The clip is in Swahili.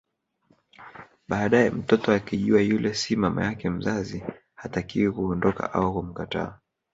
Baadae mtoto akijua yule si mama yake mzazi hatakiwi kuondoka au kumkataa